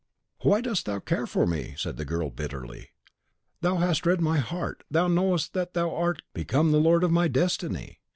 "Why dost thou care for me?" said the girl, bitterly. "Thou hast read my heart; thou knowest that thou art become the lord of my destiny.